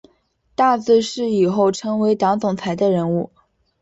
大字是以后成为党总裁的人物